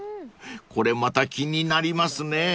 ［これまた気になりますねぇ］